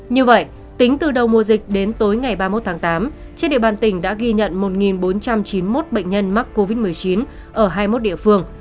như vậy tính từ đầu mùa dịch đến tối ngày ba mươi một tháng tám trên địa bàn tỉnh đã ghi nhận một bốn trăm chín mươi một bệnh nhân mắc covid một mươi chín ở hai mươi một địa phương